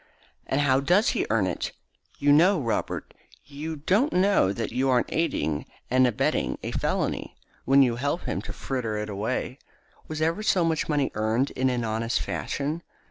"And how does he earn it? You don't know, Robert. You don't know that you aren't aiding and abetting a felony when you help him to fritter it away. Was ever so much money earned in an honest fashion?